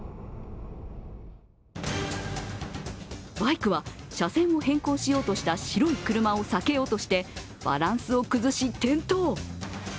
バイクは車線を変更しようとした白い車をさけようとしてバランスを崩し、転倒。